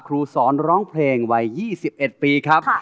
ครูสอนร้องเพลงวัย๒๑ปีครับ